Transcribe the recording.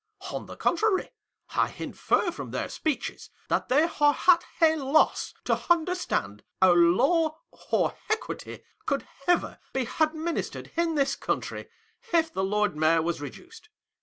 On the contrary, I infer from their speeches that they are at a loss to understand how Law or Equity could ever be administered in this country, if the Lord Mayor was reduced.